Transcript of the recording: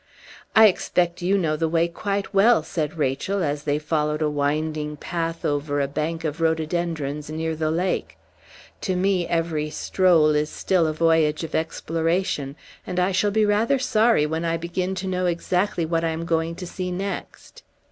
"I expect you know the way quite well," said Rachel, as they followed a winding path over a bank of rhododendrons near the lake; "to me every stroll is still a voyage of exploration, and I shall be rather sorry when I begin to know exactly what I am going to see next.